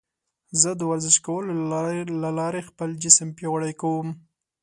زه د ورزش کولو له لارې خپل جسم پیاوړی کوم.